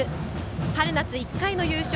春夏１回の優勝